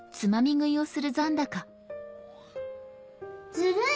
ずるい！